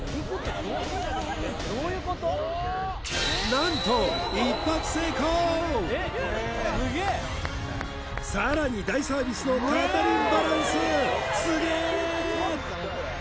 何とさらに大サービスの片輪バランスすげえ！